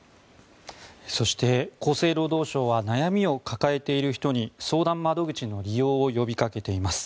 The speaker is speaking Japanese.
そして、厚生労働省は悩みを抱えている人に相談窓口の利用を呼びかけています。